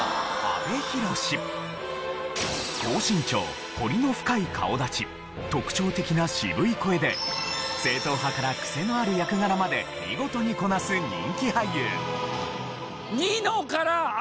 高身長彫りの深い顔立ち特徴的な渋い声で正統派からクセのある役柄まで見事にこなす人気俳優。